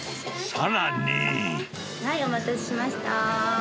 はい、お待たせしました。